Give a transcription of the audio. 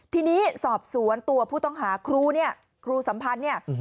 ทีนี้สอบสวนตัวผู้ต้องหาครูครูสัมพันธ์